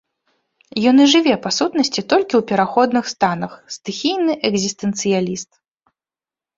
Ён і жыве па сутнасці толькі ў пераходных станах, стыхійны экзістэнцыяліст.